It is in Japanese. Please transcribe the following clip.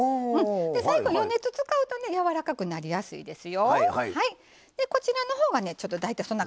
最後、余熱を使うとやわらかくなりますよ。